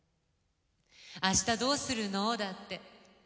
「明日どうするの」だって。